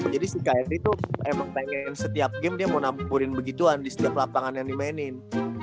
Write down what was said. jadi si kri tuh emang pengen setiap game dia mau nampurin begituan di setiap lapangan yang dimainin